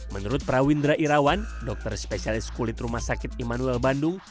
menurut prawindra irawan dokter spesialis kulit rumah sakit immanuel bandung